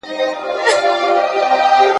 که انسان چیري تر شا خورجین لیدلای ..